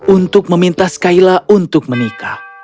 untuk meminta skyla untuk menikah